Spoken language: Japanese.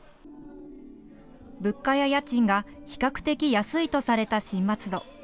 物価や家賃が比較的、安いとされた新松戸。